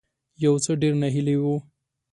یو څه ډیر ناهیلی وي